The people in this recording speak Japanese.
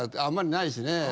あんまりないしね。